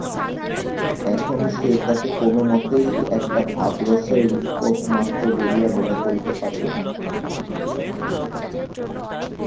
এখন সে তাকে কোনোমতেই একটা ভাবরসের রূপকমাত্র বলিয়া মনে করিতে পারে না।